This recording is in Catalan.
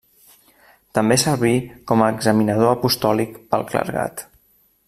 També serví com a examinador apostòlic pel clergat.